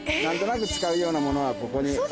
何となく使うようなものはここに。